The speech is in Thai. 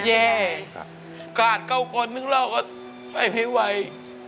แย่กาดเขาคนนึงเราก็ไปไม่ไหว